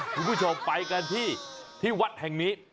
คุณผู้ชมไปกันที่ที่วัดแห่งนี้